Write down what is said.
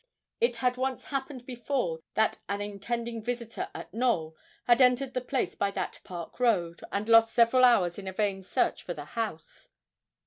It had once happened before that an intending visitor at Knowl had entered the place by that park road, and lost several hours in a vain search for the house.